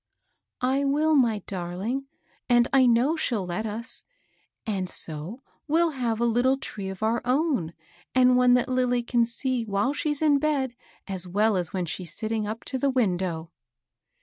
" I will, my darling, and I know she'll let us. And so we'll have a little tree of our own, and one that Lilly can see while she's in bed as well as when she's sitting up to the window."